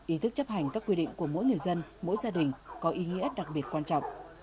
ý thức chấp hành các quy định của mỗi người dân mỗi gia đình có ý nghĩa đặc biệt quan trọng